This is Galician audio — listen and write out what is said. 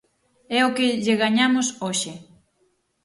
É o que lle gañamos hoxe.